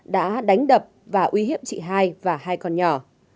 đã đánh đập và uy hiếp chị hai và hai con nhỏ